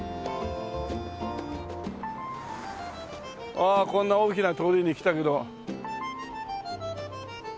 ああこんな大きな通りに来たけど。